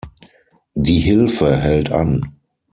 Die Hilfe hält an.